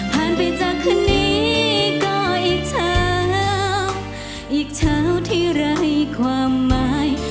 ไปจากคืนนี้ก็อีกเช้าอีกเช้าที่ไร้ความหมาย